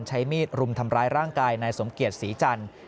ใช้มีดรุมทำร้ายร่างกายนายสมเกียจศรีจันทร์